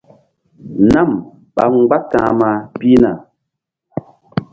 Nam ɓa mgbáta̧hma pihna.